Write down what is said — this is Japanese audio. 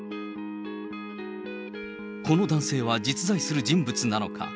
この男性は実在する人物なのか。